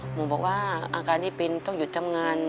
บอกว่าอาการที่เป็นต้องหยุดทำงาน